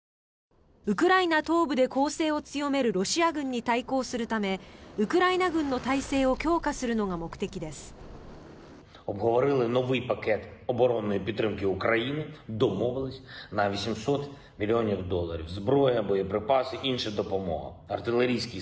ウクライナ東部で攻勢を強めるロシア軍に対抗するためウクライナ軍の態勢を強化するのが目的です。